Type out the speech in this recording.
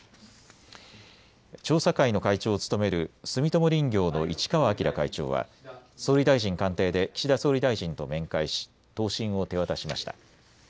調査会の会長を務める住友林業の市川晃会長は、総理大臣官邸で岸田総理大臣と面会し答申を手渡しました。